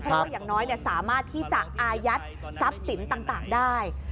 เพราะว่าอย่างน้อยสามารถที่จะอายัดทรัพย์สินต่างได้